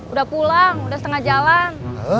udah pulang udah setengah jalan